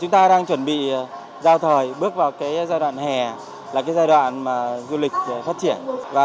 thì giao thời bước vào giai đoạn hè là giai đoạn du lịch phát triển